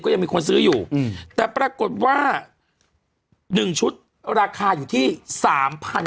๑๒๐ก็ยังมีคนซื้ออยู่แต่ปรากฏว่า๑ชุดราคาอยู่ที่๓๕๐๐บาท